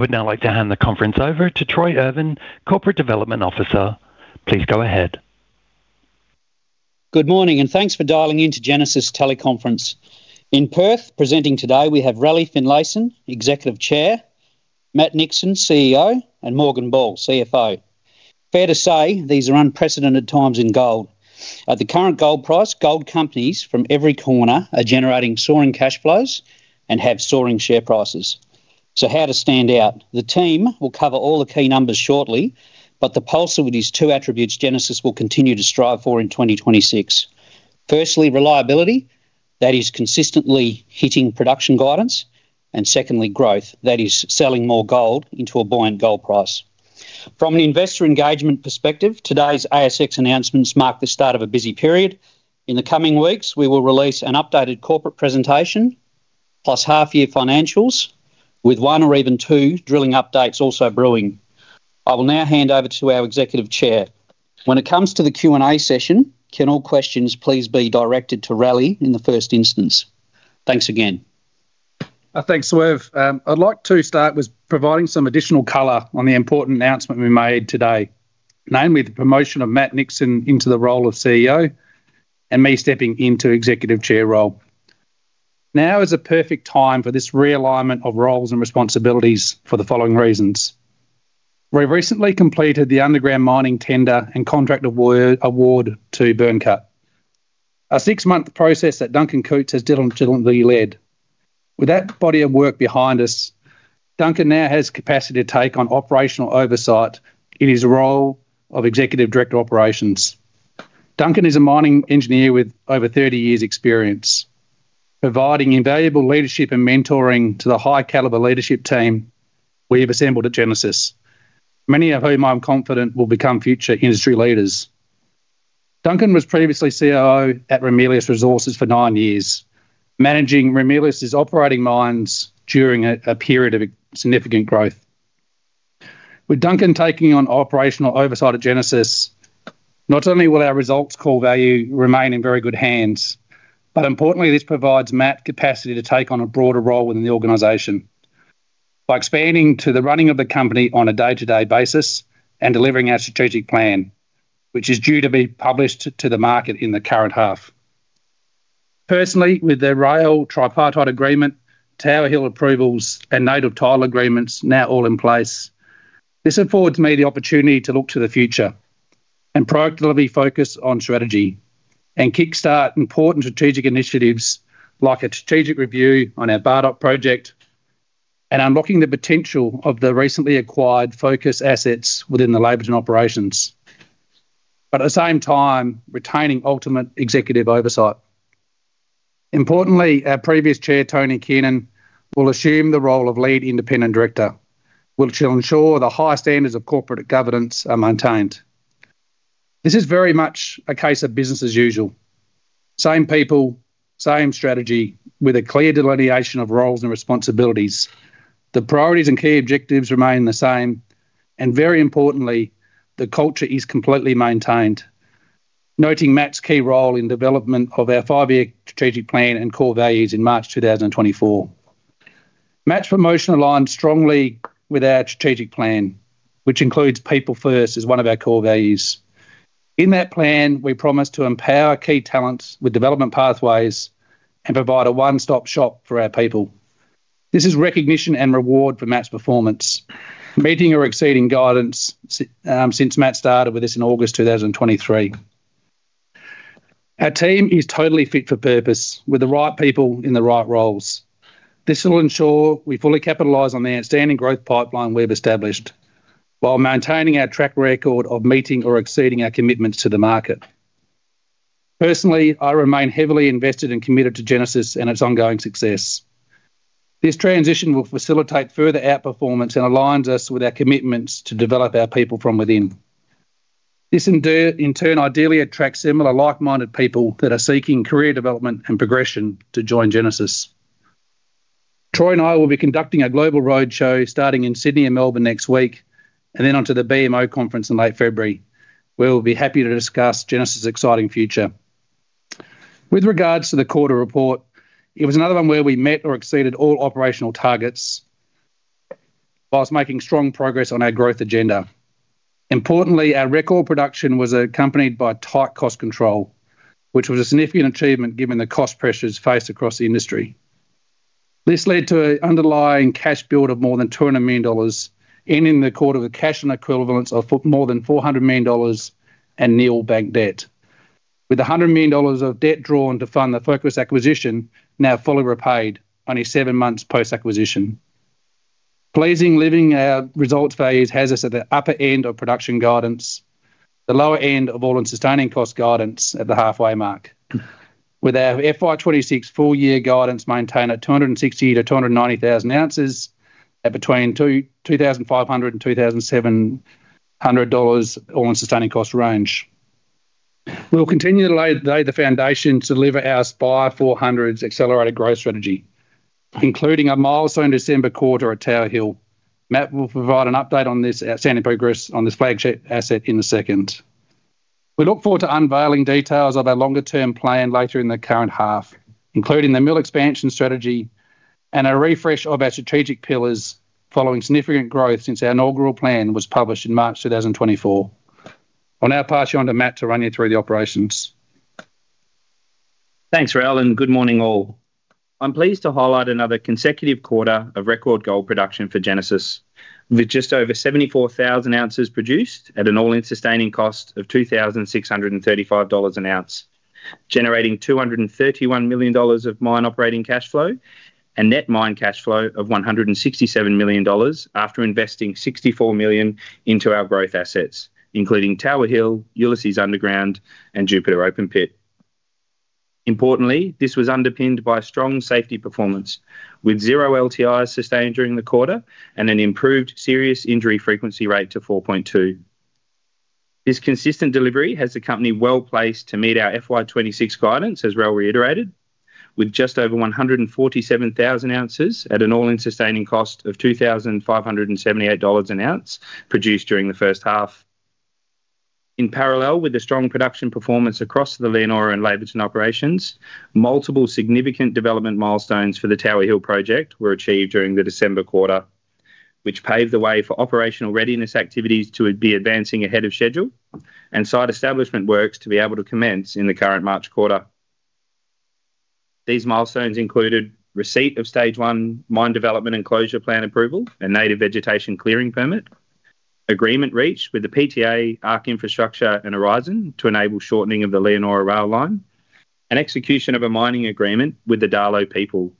I would now like to hand the conference over to Troy Irvin, Corporate Development Officer. Please go ahead. Good morning, and thanks for dialing in to Genesis teleconference. In Perth, presenting today, we have Raleigh Finlayson, Executive Chair, Matt Nixon, CEO, and Morgan Ball, CFO. Fair to say, these are unprecedented times in gold. At the current gold price, gold companies from every corner are generating soaring cash flows and have soaring share prices. So how to stand out? The team will cover all the key numbers shortly, but the pulse with these two attributes Genesis will continue to strive for in 2026. Firstly, reliability, that is consistently hitting production guidance, and secondly, growth, that is selling more gold into a buoyant gold price. From an investor engagement perspective, today's ASX announcements mark the start of a busy period. In the coming weeks, we will release an updated corporate presentation, plus half-year financials, with one or even two drilling updates also brewing. I will now hand over to our Executive Chair. When it comes to the Q&A session, can all questions please be directed to Raleigh in the first instance? Thanks again. Thanks, Irvin. I'd like to start with providing some additional color on the important announcement we made today, namely the promotion of Matt Nixon into the role of CEO and me stepping into executive chair role. Now is a perfect time for this realignment of roles and responsibilities for the following reasons. We recently completed the underground mining tender and contract award to Byrnecut. A six-month process that Duncan Coutts has diligently led. With that body of work behind us, Duncan now has capacity to take on operational oversight in his role of Executive Director, Operations. Duncan is a mining engineer with over 30 years experience, providing invaluable leadership and mentoring to the high caliber leadership team we have assembled at Genesis, many of whom I'm confident will become future industry leaders. Duncan was previously COO at Ramelius Resources for nine years, managing Ramelius's operating mines during a period of significant growth. With Duncan taking on operational oversight at Genesis, not only will our results core value remain in very good hands, but importantly, this provides Matt capacity to take on a broader role within the organization. By expanding to the running of the company on a day-to-day basis and delivering our strategic plan, which is due to be published to the market in the current half. Personally, with the rail tripartite agreement, Tower Hill approvals, and native title agreements now all in place, this affords me the opportunity to look to the future and proactively focus on strategy and kickstart important strategic initiatives like a strategic review on our Bardoc project and unlocking the potential of the recently acquired Focus assets within the Laverton operations, but at the same time, retaining ultimate executive oversight. Importantly, our previous chair, Tony Kiernan, will assume the role of Lead Independent Director, which will ensure the high standards of corporate governance are maintained. This is very much a case of business as usual. Same people, same strategy, with a clear delineation of roles and responsibilities. The priorities and key objectives remain the same, and very importantly, the culture is completely maintained, noting Matt's key role in development of our five-year strategic plan and core values in March 2024. Matt's promotion aligns strongly with our strategic plan, which includes people first as one of our core values. In that plan, we promise to empower key talents with development pathways and provide a one-stop shop for our people. This is recognition and reward for Matt's performance, meeting or exceeding guidance, since Matt started with us in August 2023. Our team is totally fit for purpose, with the right people in the right roles. This will ensure we fully capitalize on the outstanding growth pipeline we've established, while maintaining our track record of meeting or exceeding our commitments to the market. Personally, I remain heavily invested and committed to Genesis and its ongoing success. This transition will facilitate further outperformance and aligns us with our commitments to develop our people from within. This in turn, ideally attract similar like-minded people that are seeking career development and progression to join Genesis. Troy and I will be conducting a global roadshow, starting in Sydney and Melbourne next week, and then onto the BMO conference in late February. We will be happy to discuss Genesis's exciting future. With regards to the quarter report, it was another one where we met or exceeded all operational targets while making strong progress on our growth agenda. Importantly, our record production was accompanied by tight cost control, which was a significant achievement given the cost pressures faced across the industry. This led to an underlying cash build of more than 200 million dollars, ending the quarter with a cash and equivalents of more than 400 million dollars and nil bank debt. With 100 million dollars of debt drawn to fund the Focus acquisition, now fully repaid only seven months post-acquisition. Pleasingly, our results to date has us at the upper end of production guidance, the lower end of all-in sustaining cost guidance at the halfway mark. With our FY 2026 full-year guidance maintained at 260,000-290,000 ounces at between $2,500-$2,700 all-in sustaining cost range. We'll continue to lay the foundation to deliver our Aspire 400's accelerated growth strategy, including a milestone December quarter at Tower Hill. Matt will provide an update on this outstanding progress on this flagship asset in a second. We look forward to unveiling details of our longer-term plan later in the current half, including the mill expansion strategy and a refresh of our strategic pillars following significant growth since our inaugural plan was published in March 2024. I'll now pass you on to Matt to run you through the operations. Thanks, Ral, and good morning, all. I'm pleased to highlight another consecutive quarter of record gold production for Genesis, with just over 74,000 ounces produced at an all-in sustaining cost of AUD 2,635 an ounce, generating AUD 231 million of mine operating cash flow and net mine cash flow of AUD 167 million after investing AUD 64 million into our growth assets, including Tower Hill, Ulysses Underground, and Jupiter Open Pit. Importantly, this was underpinned by strong safety performance, with zero LTIs sustained during the quarter and an improved serious injury frequency rate to 4.2. This consistent delivery has the company well-placed to meet our FY 2026 guidance, as Ral reiterated, with just over 147,000 ounces at an all-in sustaining cost of 2,578 dollars an ounce produced during the first half. In parallel with the strong production performance across the Leonora and Laverton operations, multiple significant development milestones for the Tower Hill project were achieved during the December quarter, which paved the way for operational readiness activities to be advancing ahead of schedule and site establishment works to be able to commence in the current March quarter. These milestones included receipt of Stage One mine development and closure plan approval and Native Vegetation Clearing Permit, agreement reached with the PTA, Arc Infrastructure, and Aurizon to enable shortening of the Leonora rail line, and execution of a mining agreement with the Darlot people.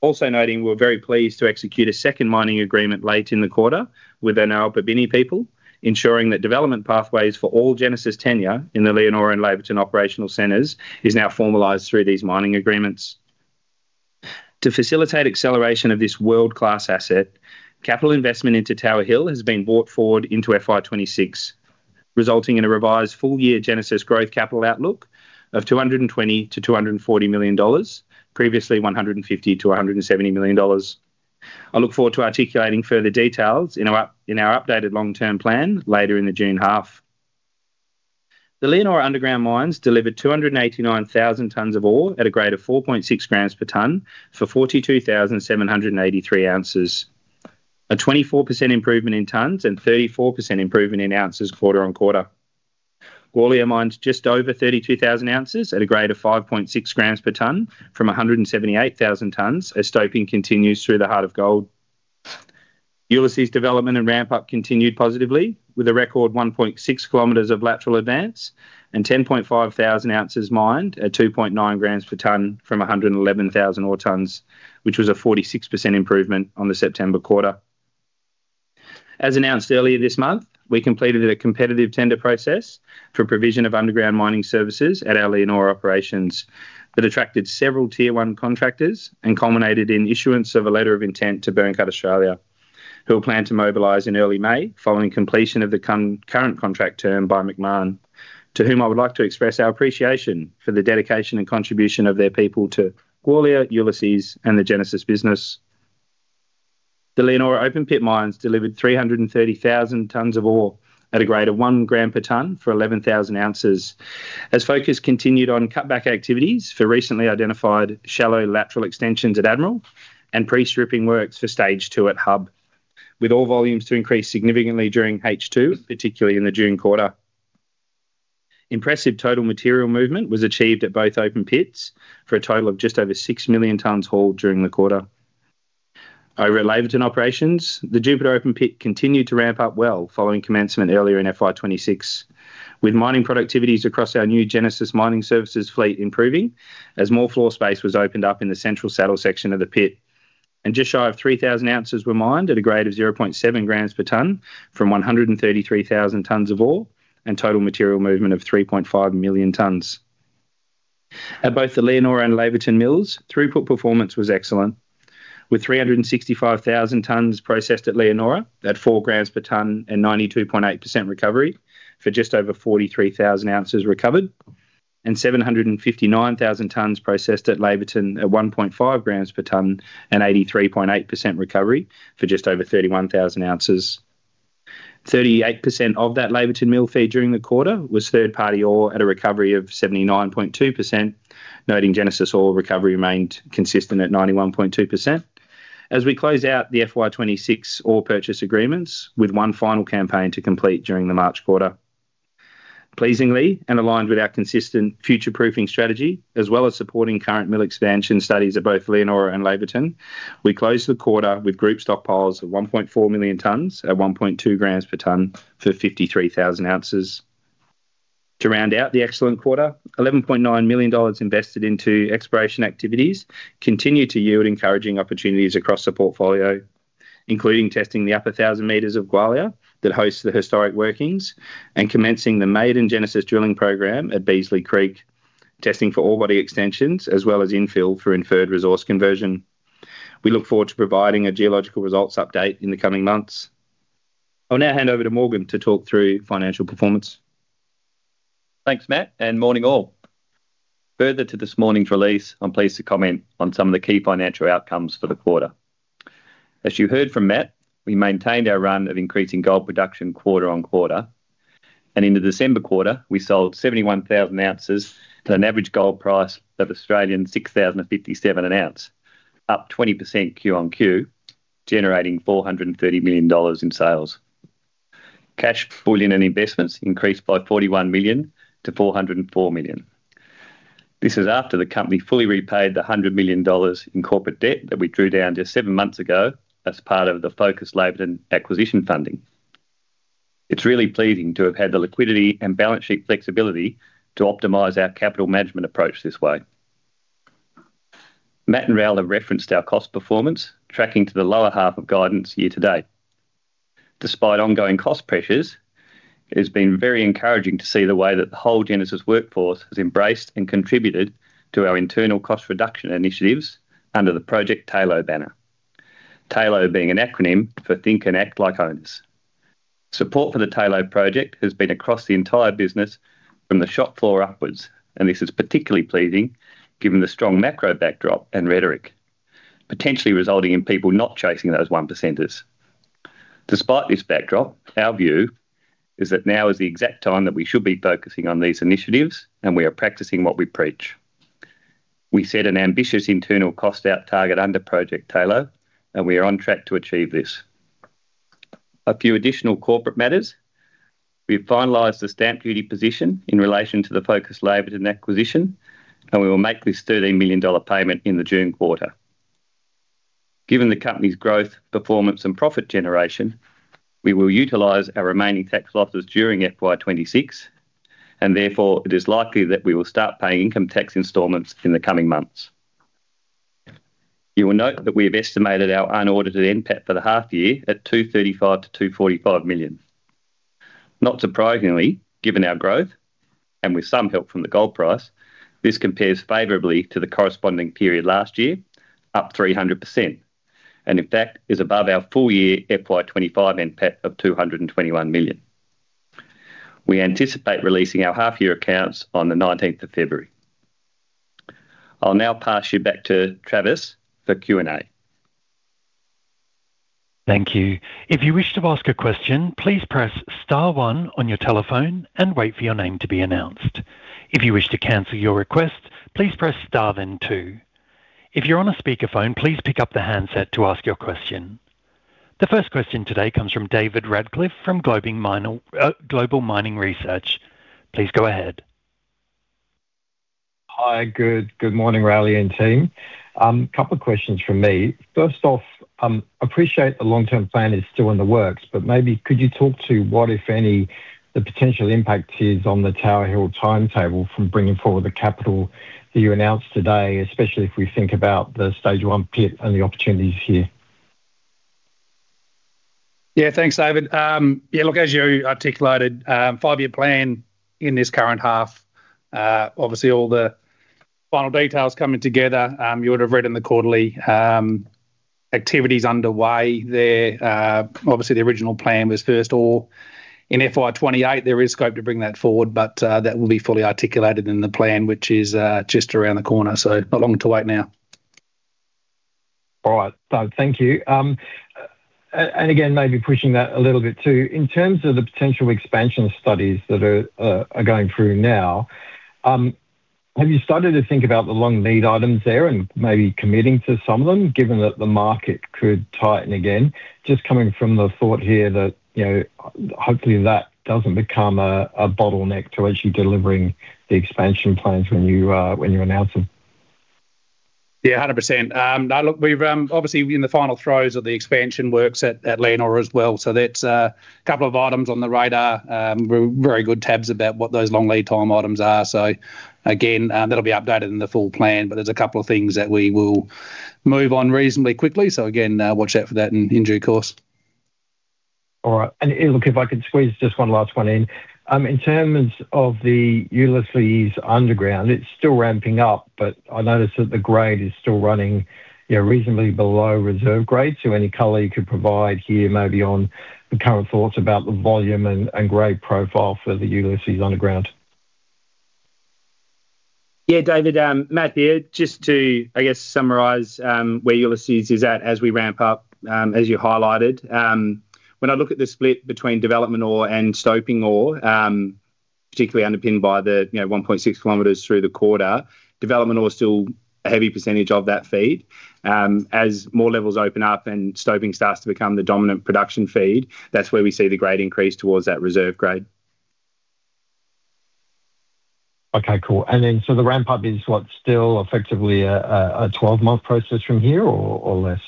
Also noting, we're very pleased to execute a second mining agreement late in the quarter with the Ngaanyatjarra People, ensuring that development pathways for all Genesis tenure in the Leonora and Laverton operational centers is now formalized through these mining agreements. To facilitate acceleration of this world-class asset, capital investment into Tower Hill has been brought forward into FY 2026, resulting in a revised full-year Genesis growth capital outlook of 220 million-240 million dollars, previously 150 million-170 million dollars. I look forward to articulating further details in our in our updated long-term plan later in the June half. The Leonora underground mines delivered 289,000 t of ore at a grade of 4.6 g/ton for 42,783 ounces, a 24% improvement in tons and 34% improvement in ounces quarter-on-quarter. Gwalia mined just over 32,000 ounces at a grade of 5.6 g/ton from 178,000 tons as stoping continues through the Heart of Gold. Ulysses development and ramp-up continued positively, with a record 1.6 km of lateral advance and 10,500 ounces mined at 2.9 g/ton from 111,000 ore tonnes, which was a 46% improvement on the September quarter. As announced earlier this month, we completed a competitive tender process for provision of underground mining services at our Leonora operations that attracted several Tier One contractors and culminated in issuance of a letter of intent to Byrnecut Australia, who will plan to mobilize in early May following completion of the concurrent contract term by Macmahon, to whom I would like to express our appreciation for the dedication and contribution of their people to Gwalia, Ulysses, and the Genesis business. The Leonora open-pit mines delivered 330,000 t of ore at a grade of 1 g/ton for 11,000 ounces. As focus continued on cutback activities for recently identified shallow lateral extensions at Admiral and pre-stripping works for Stage Two at Hub, with all volumes to increase significantly during H2, particularly in the June quarter. Impressive total material movement was achieved at both open pits for a total of just over 6 million tons hauled during the quarter. Over at Laverton operations, the Jupiter open pit continued to ramp up well following commencement earlier in FY 2026, with mining productivities across our new Genesis Mining Services fleet improving as more floor space was opened up in the central saddle section of the pit. Just shy of 3,000 ounces were mined at a grade of 0.7 g/ton from 133,000 ton of ore and total material movement of 3.5 million tons. At both the Leonora and Laverton mills, throughput performance was excellent, with 365,000 tons processed at Leonora at 4 g/ton and 92.8% recovery for just over 43,000 ounces recovered, and 759,000 tons processed at Laverton at 1.5 g/ton and 83.8% recovery for just over 31,000 ounces. 38% of that Laverton mill feed during the quarter was third-party ore at a recovery of 79.2%, noting Genesis ore recovery remained consistent at 91.2%. As we close out the FY 2026 ore purchase agreements with one final campaign to complete during the March quarter. Pleasingly, and aligned with our consistent future-proofing strategy, as well as supporting current mill expansion studies at both Leonora and Laverton, we closed the quarter with group stockpiles of 1.4 million tons at 1.2 g/ton for 53,000 ounces. To round out the excellent quarter, AUD 11.9 million invested into exploration activities continued to yield encouraging opportunities across the portfolio, including testing the upper 1,000 m of Gwalia that hosts the historic workings, and commencing the maiden Genesis drilling program at Beasley Creek, testing for ore body extensions as well as infill for inferred resource conversion. We look forward to providing a geological results update in the coming months. I'll now hand over to Morgan to talk through financial performance. Thanks, Matt, and morning, all. Further to this morning's release, I'm pleased to comment on some of the key financial outcomes for the quarter. As you heard from Matt, we maintained our run of increasing gold production quarter on quarter, and in the December quarter, we sold 71,000 ounces to an average gold price of 6,057 an ounce, up 20% Q on Q, generating 430 million dollars in sales. Cash, bullion, and investments increased by 41 million to 404 million. This is after the company fully repaid the 100 million dollars in corporate debt that we drew down just 7 months ago as part of the Focus Laverton acquisition funding. It's really pleasing to have had the liquidity and balance sheet flexibility to optimize our capital management approach this way. Matt and Raleigh have referenced our cost performance, tracking to the lower half of guidance year to date. Despite ongoing cost pressures, it's been very encouraging to see the way that the whole Genesis workforce has embraced and contributed to our internal cost reduction initiatives under the Project TALO banner. TALO being an acronym for Think and Act Like Owners. Support for the TALO project has been across the entire business from the shop floor upwards, and this is particularly pleasing given the strong macro backdrop and rhetoric, potentially resulting in people not chasing those one percenters. Despite this backdrop, our view is that now is the exact time that we should be focusing on these initiatives, and we are practicing what we preach. We set an ambitious internal cost out target under Project TALO, and we are on track to achieve this. A few additional corporate matters. We've finalized the stamp duty position in relation to the Focus Laverton acquisition, and we will make this AUD 13 million payment in the June quarter. Given the company's growth, performance, and profit generation, we will utilize our remaining tax losses during FY 2026, and therefore, it is likely that we will start paying income tax installments in the coming months. You will note that we have estimated our unaudited NPAT for the half year at 235 million-245 million. Not surprisingly, given our growth, and with some help from the gold price, this compares favorably to the corresponding period last year, up 300%, and in fact, is above our full year FY 2025 NPAT of 221 million. We anticipate releasing our half year accounts on the nineteenth of February. I'll now pass you back to Travis for Q&A. Thank you. If you wish to ask a question, please press star one on your telephone and wait for your name to be announced. If you wish to cancel your request, please press star then two. If you're on a speakerphone, please pick up the handset to ask your question. The first question today comes from David Radclyffe from Global Mining Research. Please go ahead. Good morning, Raleigh and team. Couple of questions from me. First off, appreciate the long-term plan is still in the works, but maybe could you talk to what, if any, the potential impact is on the Tower Hill timetable from bringing forward the capital that you announced today, especially if we think about the stage one pit and the opportunities here? Yeah, thanks, David. Yeah, look, as you articulated, five-year plan in this current half, obviously all the final details coming together. You would have read in the quarterly, activities underway there. Obviously, the original plan was first all in FY 2028. There is scope to bring that forward, but, that will be fully articulated in the plan, which is, just around the corner, so not long to wait now. All right. So thank you. And again, maybe pushing that a little bit, too. In terms of the potential expansion studies that are going through now, have you started to think about the long lead items there and maybe committing to some of them, given that the market could tighten again? Just coming from the thought here that, you know, hopefully, that doesn't become a bottleneck to actually delivering the expansion plans when you announce them. Yeah, 100%. Now, look, we're obviously in the final throes of the expansion works at Leonora as well, so that's a couple of items on the radar. We're keeping very good tabs on what those long lead time items are. So again, that'll be updated in the full plan, but there's a couple of things that we will move on reasonably quickly. So again, watch out for that in due course. All right. And, look, if I could squeeze just one last one in. In terms of the Ulysses underground, it's still ramping up, but I noticed that the grade is still running reasonably below reserve grade. So any color you could provide here maybe on the current thoughts about the volume and, and grade profile for the Ulysses underground? Yeah, David, Matt here. Just to, I guess, summarize, where Ulysses is at as we ramp up, as you highlighted. When I look at the split between development ore and stoping ore, particularly underpinned by the, you know, 1.6 km through the quarter, development ore is still a heavy percentage of that feed. As more levels open up and stoping starts to become the dominant production feed, that's where we see the grade increase towards that reserve grade. Okay, cool. And then, so the ramp-up is what? Still effectively a 12-month process from here or less?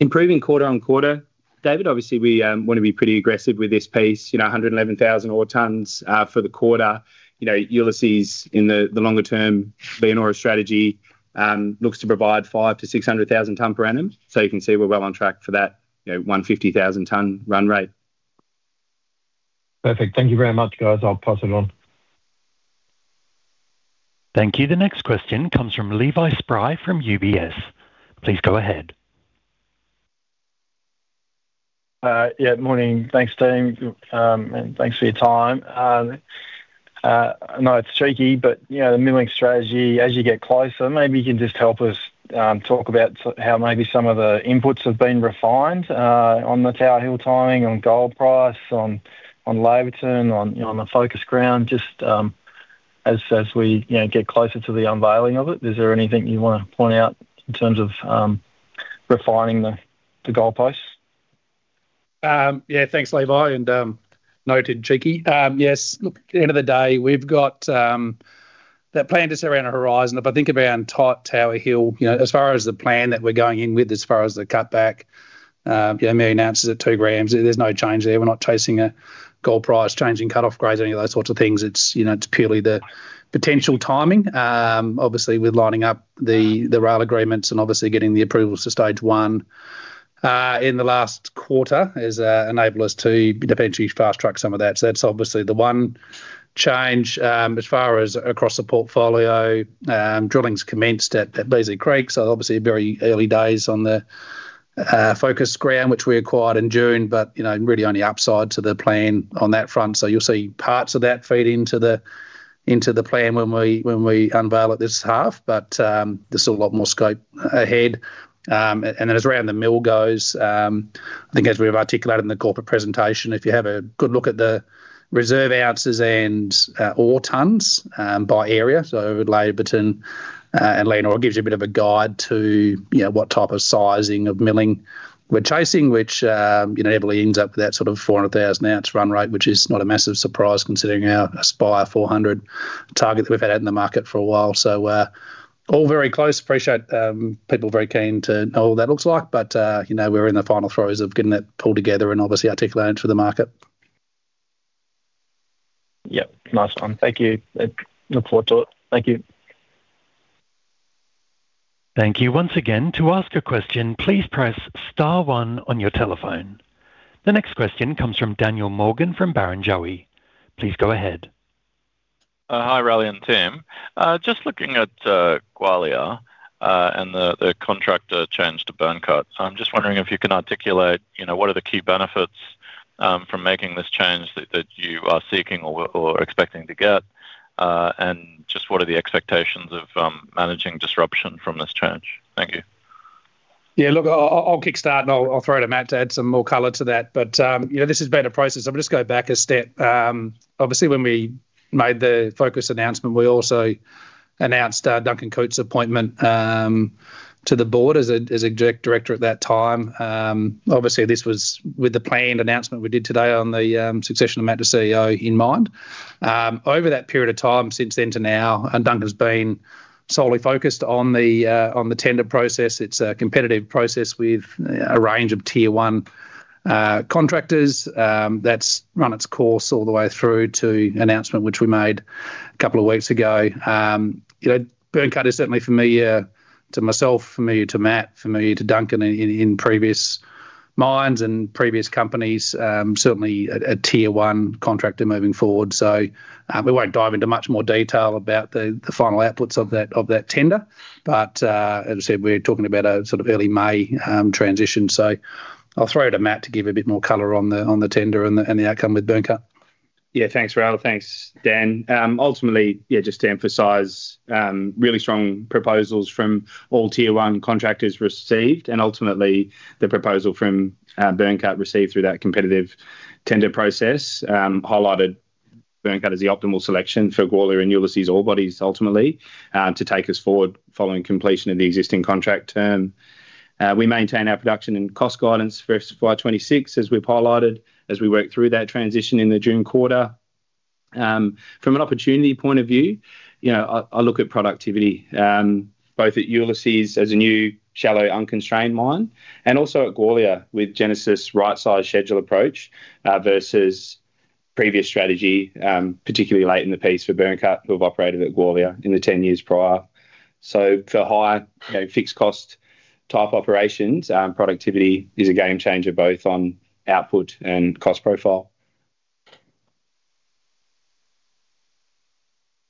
Improving quarter on quarter. David, obviously, we want to be pretty aggressive with this piece, you know, 111,000 ore tons for the quarter. You know, Ulysses, in the, the longer term Leonora strategy looks to provide 500,000-600,000 TPA. So you can see we're well on track for that, you know, 150,000-ton run rate. Perfect. Thank you very much, guys. I'll pass it on. Thank you. The next question comes from Levi Spry from UBS. Please go ahead. Yeah, morning. Thanks, team. And thanks for your time. I know it's cheeky, but, you know, the milling strategy, as you get closer, maybe you can just help us talk about how maybe some of the inputs have been refined on the Tower Hill timing, on gold price, on Laverton, on the focus ground. Just, as we, you know, get closer to the unveiling of it, is there anything you want to point out in terms of refining the goalposts? Yeah. Thanks, Levi, and noted, cheeky. Yes, look, at the end of the day, we've got that plan just around the horizon, but tied to Tower Hill. You know, as far as the plan that we're going in with, as far as the cutback, you know, 1 million ounces at 2 g. There's no change there. We're not chasing a gold price, changing cut-off grades, any of those sorts of things. It's, you know, it's purely the potential timing. Obviously, we're lining up the rail agreements and obviously getting the approvals to stage one. In the last quarter has enabled us to potentially fast-track some of that. So that's obviously the one change. As far as across the portfolio, drilling's commenced at Beasley Creek, so obviously very early days on the Focus ground, which we acquired in June, but you know, really only upside to the plan on that front. So you'll see parts of that feed into the plan when we unveil it this half. But there's still a lot more scope ahead. And then as far as the mill goes, I think as we have articulated in the corporate presentation, if you have a good look at the reserve ounces and, ore tons, by area, so over Laverton and Leonora, it gives you a bit of a guide to, you know, what type of sizing of milling we're chasing, which, you know, heavily ends up with that sort of 400,000 ounce run rate, which is not a massive surprise considering our Aspire 400 target that we've had out in the market for a while. So, all very close. Appreciate people very keen to know what that looks like, but, you know, we're in the final throes of getting it pulled together and obviously articulate it to the market. Yep. Nice one. Thank you. Look forward to it. Thank you. Thank you once again. To ask a question, please press star one on your telephone. The next question comes from Daniel Morgan, from Barrenjoey. Please go ahead. Hi, Raleigh and team. Just looking at Gwalia and the contractor change to Byrnecut. I'm just wondering if you can articulate, you know, what are the key benefits from making this change that you are seeking or expecting to get? And just what are the expectations of managing disruption from this change? Thank you. Yeah, look, I'll kickstart and I'll throw it to Matt to add some more color to that. But, you know, this has been a process. I'm just go back a step. Obviously, when we made the Focus announcement, we also announced Duncan Coutts' appointment to the board as a direct director at that time. Obviously, this was with the planned announcement we did today on the succession of Matt, the CEO, in mind. Over that period of time, since then to now, and Duncan's been solely focused on the tender process. It's a competitive process with a range of tier one contractors. That's run its course all the way through to the announcement, which we made a couple of weeks ago. You know, Byrnecut is certainly familiar to myself, familiar to Matt, familiar to Duncan in previous mines and previous companies. Certainly a tier one contractor moving forward. So, we won't dive into much more detail about the final outputs of that tender. But, as I said, we're talking about a sort of early May transition. So I'll throw it to Matt to give a bit more color on the tender and the outcome with Byrnecut. Yeah, thanks, Ral. Thanks, Dan. Ultimately, yeah, just to emphasize, really strong proposals from all tier one contractors received, and ultimately, the proposal from Byrnecut received through that competitive tender process highlighted Byrnecut as the optimal selection for Gwalia and Ulysses ore bodies, ultimately to take us forward following completion of the existing contract term. We maintain our production and cost guidance for FY 2026, as we've highlighted, as we work through that transition in the June quarter. From an opportunity point of view, you know, I, I look at productivity both at Ulysses as a new, shallow, unconstrained mine, and also at Gwalia, with Genesis right-size schedule approach versus previous strategy, particularly late in the piece for Byrnecut, who have operated at Gwalia in the 10 years prior. For higher, you know, fixed cost type operations, productivity is a game changer both on output and cost profile.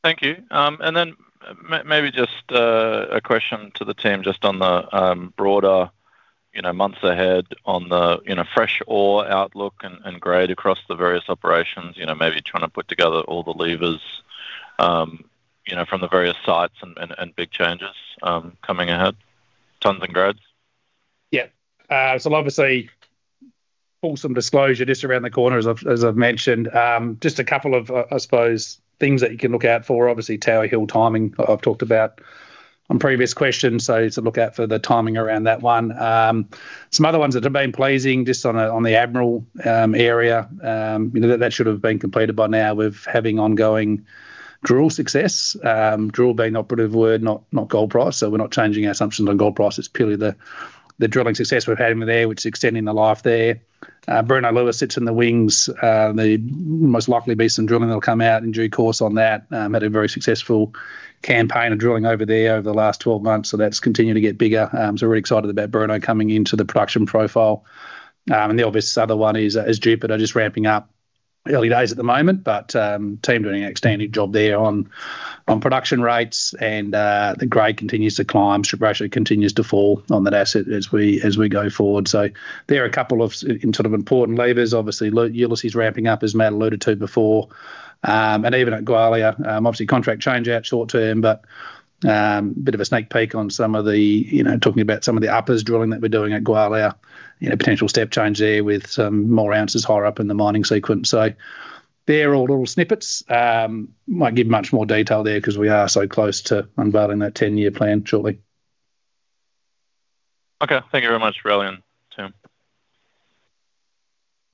Thank you. And then maybe just a question to the team, just on the broader, you know, months ahead on the, you know, fresh ore outlook and grade across the various operations, you know, maybe trying to put together all the levers from the various sites and big changes coming ahead. Tons and grads. Yeah. So obviously, awesome disclosure just around the corner, as I've, as I've mentioned. Just a couple of, I suppose, things that you can look out for. Obviously, Tower Hill timing, I've talked about on previous questions, so to look out for the timing around that one. Some other ones that have been pleasing, just on the, on the Admiral, area, you know, that should have been completed by now. We've having ongoing drill success. Drill being the operative word, not, not gold price. So we're not changing our assumptions on gold price. It's purely the, the drilling success we've had in there, which is extending the life there. Bruno Lewis sits in the wings. There most likely be some drilling that'll come out in due course on that. Had a very successful campaign of drilling over there over the last 12 months, so that's continuing to get bigger. So we're excited about Bruno coming into the production profile. And the obvious other one is Jupiter just ramping up.... early days at the moment, but team doing an outstanding job there on production rates, and the grade continues to climb, strip ratio continues to fall on that asset as we go forward. So there are a couple of in sort of important levers. Obviously, Ulysses ramping up, as Matt alluded to before. And even at Gwalia, obviously contract change out short term, but a bit of a sneak peek on some of the, you know, talking about some of the uppers drilling that we're doing at Gwalia. You know, potential step change there with some more ounces higher up in the mining sequence. So they're all little snippets. Won't give much more detail there 'cause we are so close to unveiling that ten-year plan shortly. Okay. Thank you very much, Raleigh and team.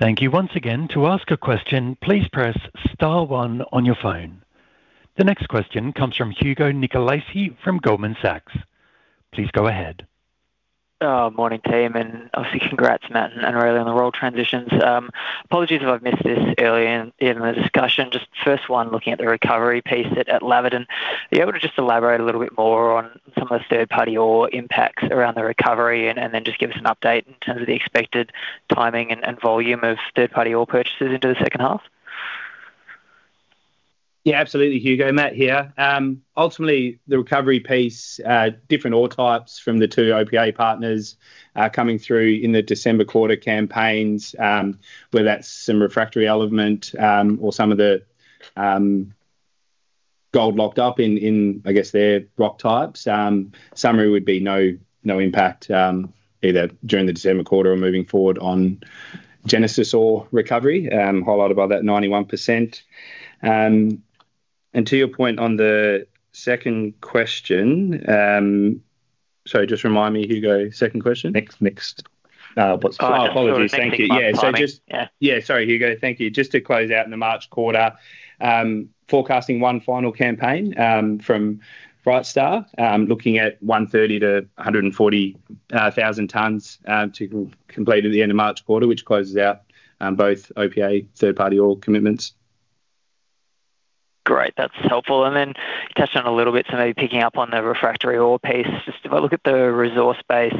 Thank you once again. To ask a question, please press star one on your phone. The next question comes from Hugo Nicolaci from Goldman Sachs. Please go ahead. Morning, team, and obviously, congrats, Matt and Raleigh, on the role transitions. Apologies if I've missed this earlier in the discussion. Just first one, looking at the recovery piece at Laverton, are you able to just elaborate a little bit more on some of the third-party ore impacts around the recovery and then just give us an update in terms of the expected timing and volume of third-party ore purchases into the second half? Yeah, absolutely, Hugo. Matt here. Ultimately, the recovery piece, different ore types from the two OPA partners are coming through in the December quarter campaigns, whether that's some refractory element, or some of the, gold locked up in I guess, their rock types. Summary would be no, no impact, either during the December quarter or moving forward on Genesis ore recovery, highlighted by that 91%. And to your point on the second question, sorry, just remind me, Hugo. Second question? Next, next. Uh, apologies. Okay. Thank you. Sorry, my timing. Yeah. Yeah, sorry, Hugo. Thank you. Just to close out in the March quarter, forecasting one final campaign from Brightstar. Looking at 130,000-140,000 tons to complete at the end of March quarter, which closes out both OPA third-party ore commitments. Great, that's helpful. And then you touched on a little bit, so maybe picking up on the refractory ore piece. Just if I look at the resource base,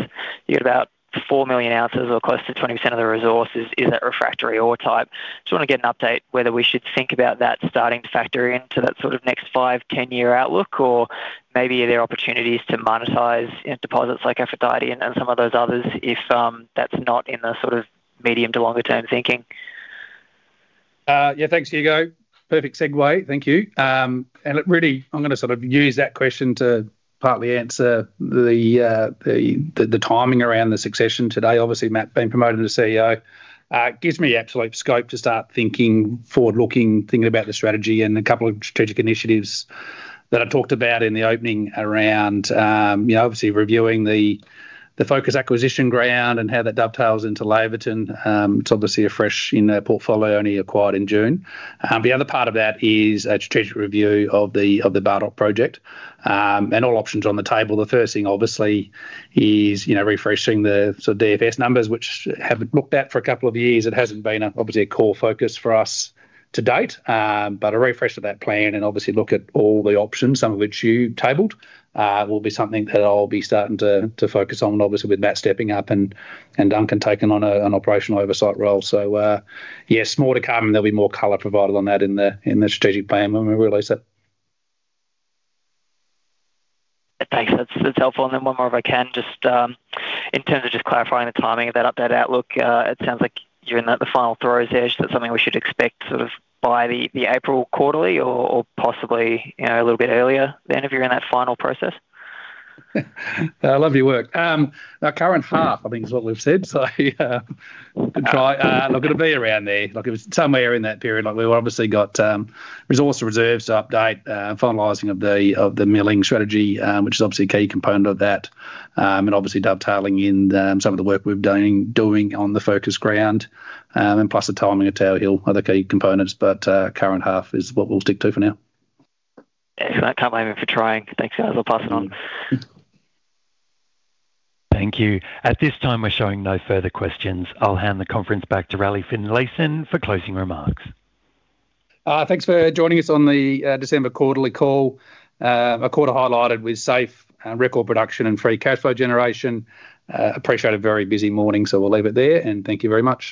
you've got about 4 million ounces or close to 20% of the resource is that refractory ore type. Just want to get an update whether we should think about that starting to factor into that sort of next 5, 10-year outlook, or maybe are there opportunities to monetize in deposits like Aphrodite and some of those others if that's not in the sort of medium to longer term thinking? Yeah, thanks, Hugo. Perfect segue. Thank you. And look, really, I'm gonna sort of use that question to partly answer the timing around the succession today. Obviously, Matt being promoted to CEO gives me absolute scope to start thinking, forward-looking, thinking about the strategy and a couple of strategic initiatives that I talked about in the opening around, you know, obviously reviewing the Focus acquisition ground and how that dovetails into Laverton. It's obviously a fresh in the portfolio, only acquired in June. The other part of that is a strategic review of the Bardoc project, and all options on the table. The first thing, obviously, is, you know, refreshing the sort of DFS numbers, which haven't been looked at for a couple of years. It hasn't been a, obviously, a core focus for us to date. But a refresh of that plan and obviously look at all the options, some of which you tabled, will be something that I'll be starting to, to focus on, obviously, with Matt stepping up and, and Duncan taking on a, an operational oversight role. So, yes, more to come. There'll be more color provided on that in the, in the strategic plan when we release it. Thanks. That's, that's helpful. And then one more, if I can, just in terms of just clarifying the timing of that update outlook, it sounds like you're in the, the final throes there. Is that something we should expect sort of by the, the April quarterly or, or possibly, you know, a little bit earlier than if you're in that final process? I love your work. Current half, I think, is what we've said, so, yeah, good try. Look, it'll be around there. Like, it was somewhere in that period. Like, we've obviously got resource reserves to update, finalizing of the milling strategy, which is obviously a key component of that. And obviously, dovetailing in some of the work we've doing on the Focus ground, and plus the timing of Tower Hill, other key components, but current half is what we'll stick to for now. Thanks for that. Can't blame me for trying. Thanks, guys. I'll pass it on. Thank you. At this time, we're showing no further questions. I'll hand the conference back to Raleigh Finlayson for closing remarks. Thanks for joining us on the December quarterly call. A quarter highlighted with safe, record production and free cash flow generation. Appreciate a very busy morning, so we'll leave it there, and thank you very much.